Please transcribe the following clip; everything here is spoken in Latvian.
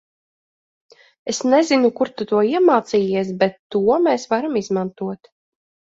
Es nezinu kur tu to iemācījies, bet to mēs varam izmantot.